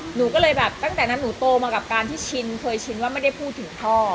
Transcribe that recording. หนูก็เลยแบบตั้งแต่นั้นหนูโตมากับการที่ชินเคยชินว่าไม่ได้พูดถึงพ่อ